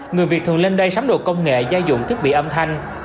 người việt thường lên đây sắm đồ công nghệ gia dụng thiết bị âm thanh